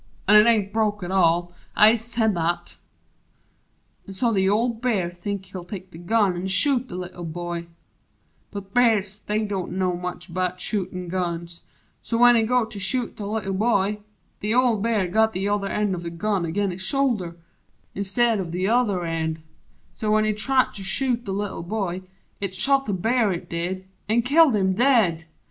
(An' it ain't broke at all I ist said that!) An' so the old Bear think He'll take the gun an' shoot the Little Boy: But Bears they don't know much 'bout shootin' guns: So when he go to shoot the Little Boy, The old Bear got the other end the gun Ag'in' his shoulder, 'stid o' th'other end So when he try to shoot the Little Boy, It shot the Bear, it did an' killed him dead!